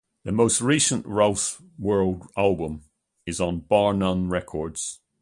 The most recent Ralph's World album is on BarNone Records.